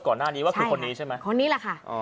ก่อนหน้านี้ว่าคือคนนี้ใช่ไหมคนนี้แหละค่ะ